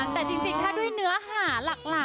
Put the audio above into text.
กับเพลงที่มีชื่อว่ากี่รอบก็ได้